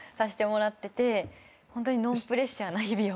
ホントにノンプレッシャーな日々を。